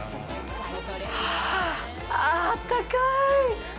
あったかい！